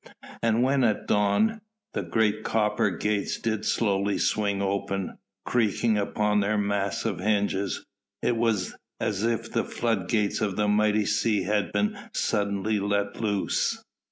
And when at dawn, the great copper gates did slowly swing open, creaking upon their massive hinges, it was as if the flood gates of a mighty sea had been suddenly let loose.